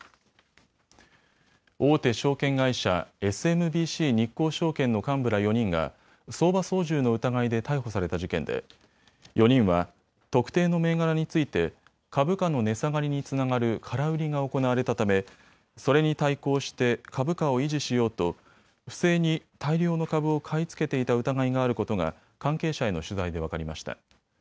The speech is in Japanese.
大手証券会社、ＳＭＢＣ日興証券の幹部ら４人が相場操縦の疑いで逮捕された事件で４人は特定の銘柄について株価の値下がりにつながる空売りが行われたためそれに対抗して株価を維持しようと不正に大量の株を買い付けていた疑いがあることが関係者への取材で分かりました。